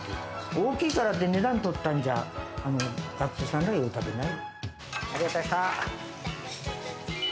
大きいからって値段とったんじゃ学生さんが喜ばない。